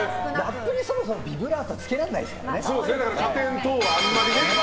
ラップにそもそもビブラートつけられないですからね。